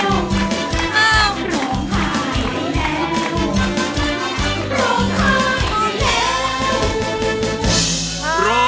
ร้องค่อยไม่เลว